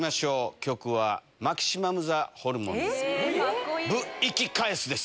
曲はマキシマムザホルモンです。